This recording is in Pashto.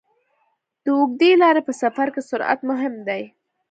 د اوږدې لارې په سفر کې سرعت مهم دی.